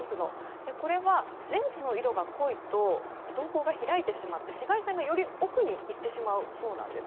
これはレンズの色が濃いと瞳孔が開いてしまって紫外線がより奥にいってしまうそうなんです。